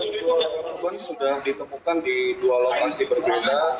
korban sudah ditemukan di dua lokasi berbeda